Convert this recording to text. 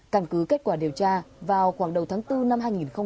cảnh cứ kết quả điều tra vào khoảng đầu tháng bốn năm hai nghìn một mươi tám